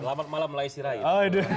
selamat malam melayu sirayu